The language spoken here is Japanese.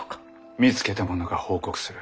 見つけた者が報告する。